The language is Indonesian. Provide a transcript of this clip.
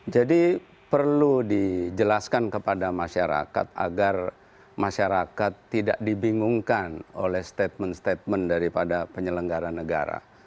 jadi perlu dijelaskan kepada masyarakat agar masyarakat tidak dibingungkan oleh statement statement daripada penyelenggara negara